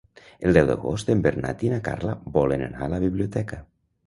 El deu d'agost en Bernat i na Carla volen anar a la biblioteca.